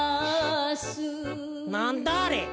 なんだあれ？